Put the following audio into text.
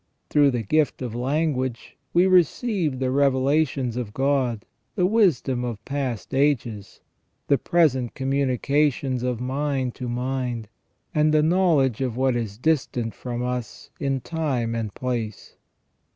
Through the gift of language we receive the revelations of God, the wisdom of past ages, the present com munications of mind to mind, and the knowledge of what is distant from us in time and place.